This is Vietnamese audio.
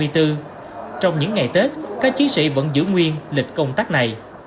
trong những ngày tết các chiến sĩ vẫn giữ nguyên lịch công tác này